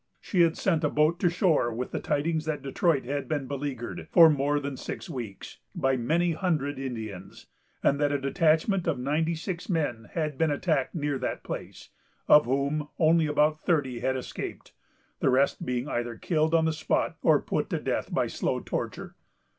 She had sent a boat to shore with the tidings that Detroit had been beleaguered, for more than six weeks, by many hundred Indians, and that a detachment of ninety six men had been attacked near that place, of whom only about thirty had escaped, the rest being either killed on the spot or put to death by slow torture.